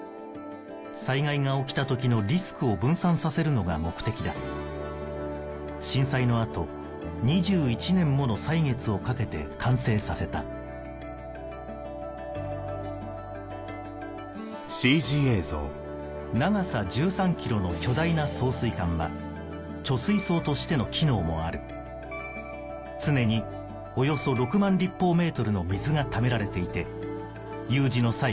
災害が起きた時のリスクを分散させるのが目的だ震災の後２１年もの歳月をかけて完成させた長さ１３ｋｍの巨大な送水管は貯水槽としての機能もある常におよそ６万ｍの水がためられていて有事の際